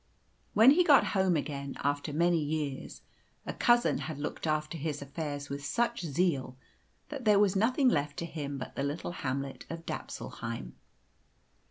When he got home again, after many years, a cousin had looked after his affairs with such zeal that there was nothing left to him but the little hamlet of Dapsulheim.